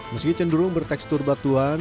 meski cenderung bertekstur batuan